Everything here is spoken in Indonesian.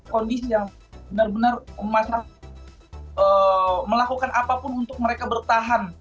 kondisi yang benar benar masyarakat melakukan apapun untuk mereka bertahan